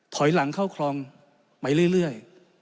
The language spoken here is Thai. ถอยหลังเข้าคลองไปเรื่อย